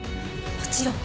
もちろん。